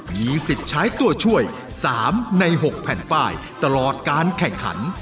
มีสิทธิ์ใช้ตัวช่วย๓ใน๖แผ่นป้ายตลอดการแข่งขัน